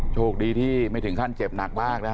โชคดีที่ไม่ถึงขั้นเจ็บหนักมากนะฮะ